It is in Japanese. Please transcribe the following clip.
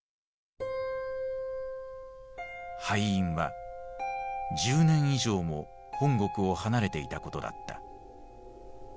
敗因は１０年以上も本国を離れていたことだった。